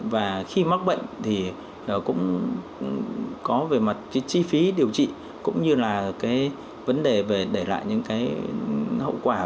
và khi mắc bệnh thì cũng có về mặt chi phí điều trị cũng như là vấn đề để lại những hậu quả